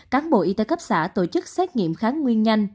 cán bộ y tế cấp xã tổ chức xét nghiệm kháng nguyên nhanh